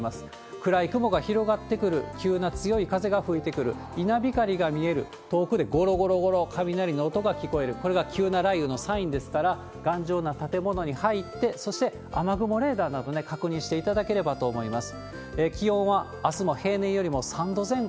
暗い雲が広がってくる、急な強い風が吹いてくる、稲光が見える、遠くでごろごろごろ、雷の音が聞こえる、これが急な雷雨のサインですから、頑丈な建物に入って、そして雨雲レーダーなど確認していただければと思います。